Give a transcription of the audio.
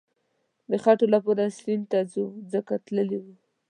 د خټو لپاره سیند ته څو ځله تللی وو.